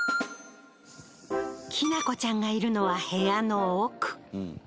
きなこちゃんがいるのは部屋の奥。